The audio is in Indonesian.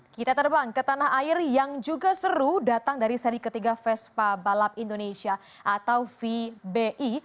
kita terbang ke tanah air yang juga seru datang dari seri ketiga vespa balap indonesia atau vbi